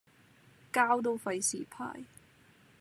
膠都費事派